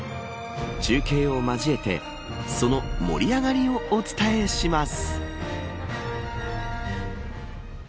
中継を交えてその盛り上がりをお伝えします。